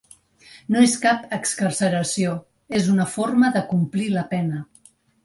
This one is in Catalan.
No és cap excarceració, és una forma de complir la pena.